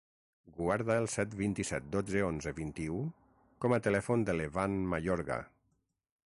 Guarda el set, vint-i-set, dotze, onze, vint-i-u com a telèfon de l'Evan Mayorga.